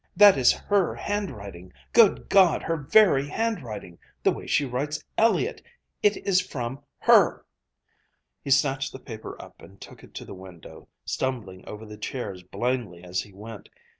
"That is her handwriting.... Good God, her very handwriting the way she writes Elliott it is from her!" He snatched the paper up and took it to the window, stumbling over the chairs blindly as he went.